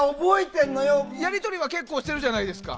やり取りは結構してるじゃないですか。